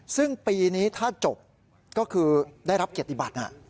ซึ่งปีนี้ถ้าจบก็คือได้รับเกียรติบัติ